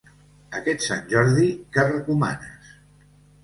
Aquest Sant Jordi, què recomanes?